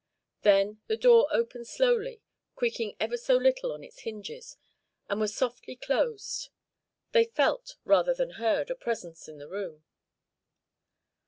Then the door opened slowly, creaking ever so little on its hinges, and was softly closed. They felt, rather than heard, a presence in the room.